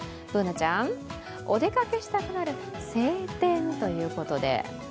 Ｂｏｏｎａちゃん、お出かけしたくなる晴天ということで。